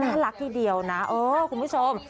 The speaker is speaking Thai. น่ารักทีเดียวนะเออคุณผู้ชม